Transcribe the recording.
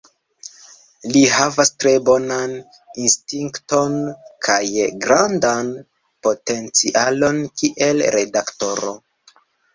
Li havas tre bonan instinkton kaj grandan potencialon kiel redaktoro.